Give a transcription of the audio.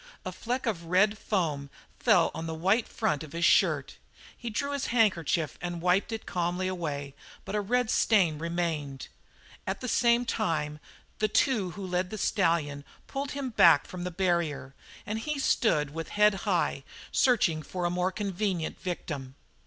A fleck of red foam fell on the white front of his shirt. He drew his handkerchief and wiped it calmly away, but a red stain remained. At the same time the two who led the stallion pulled him back from the barrier and he stood with head high, searching for a more convenient victim.